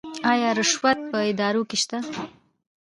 آیا رشوت په ادارو کې شته؟